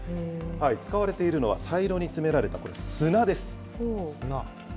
使われているのはサイロに詰められた、これ、砂です。